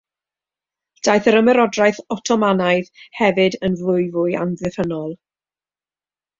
Daeth yr Ymerodraeth Otomanaidd hefyd yn fwyfwy amddiffynol.